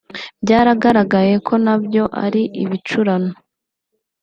byagaragaye ko nabyo ari ibicurano